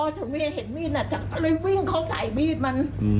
จนมีเห็นมีดอ่ะจากก็เลยวิ่งเข้าใส่บีดมันอืม